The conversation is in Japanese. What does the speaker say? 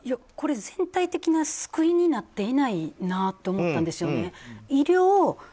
これ、全体的な救いになっていないなと思ったんですよね。